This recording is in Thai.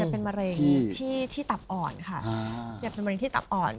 เป็นมะเร็งที่ตับอ่อนค่ะ